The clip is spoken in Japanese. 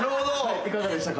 いかがでしたか？